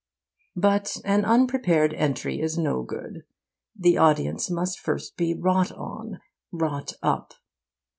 But an unprepared entry is no good. The audience must first be wrought on, wrought up.